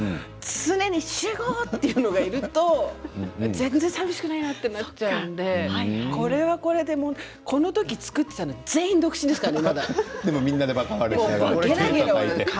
常に集合っていうのがいると全然さみしくないなとなっちゃうのでこの時に作っていたのは全員独身ですからね。